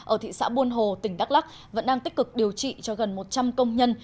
ở thị xã buôn hồ tỉnh đắk lắc vẫn đang tích cực điều trị cho gần một trăm linh công nhân